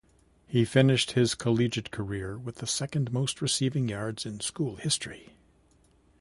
He finished his collegiate career with the second most receiving yards in school history.